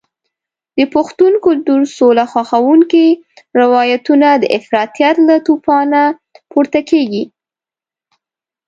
د پښتون کلتور سوله خوښونکي روایتونه د افراطیت له توپانه پورته کېږي.